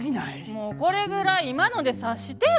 もうこれぐらい今ので察してよ！